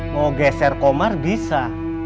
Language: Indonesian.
mau geser komar bisa